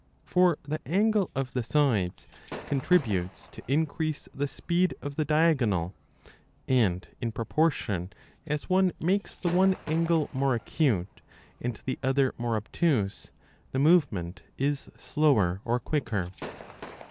For the angle of the sides contributes to increase the speed of the diagonal ; and in proportion as one makes the one angle more acute and the other 15 more obtuse, the movement is slower or quicker.